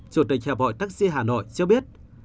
chủ tịch hợp hội taxi hà nội cho biết